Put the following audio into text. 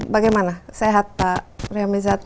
bagaimana sehat pak riamizat